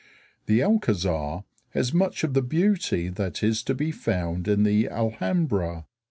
The Alcázar has much of the beauty that is to be found in the Alhambra.